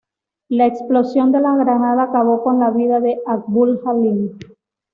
La explosión de la granada acabó con la vida de Abdul-Halim.